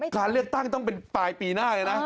การเลือกตั้งต้องเป็นปลายปีหน้าเลยนะ